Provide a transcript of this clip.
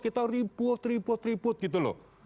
kita ribut ribut ribut gitu loh